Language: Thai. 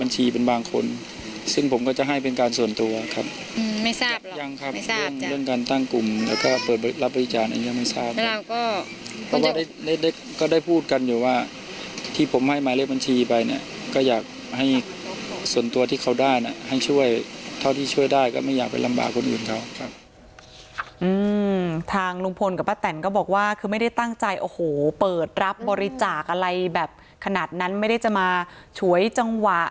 ทางลุงพลกับป้าแตนก็บอกว่าคือไม่ได้ตั้งใจโอ้โหเปิดรับบริจาคอะไรแบบขนาดนั้นไม่ได้จะมาฉวยจังหวะ